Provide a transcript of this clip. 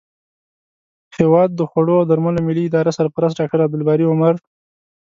هیواد د خوړو او درملو ملي ادارې سرپرست ډاکټر عبدالباري عمر